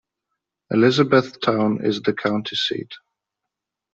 Elizabethtown is the county seat.